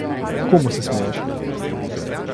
Komu se smeješ?